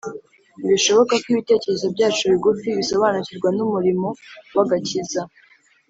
Ntibishoboka ko ibitekerezo byacu bigufi bisobanukirwa n’umurimo w’agakiza.